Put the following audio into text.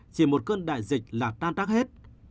chỉ một cơn đại dịch là tan tác hết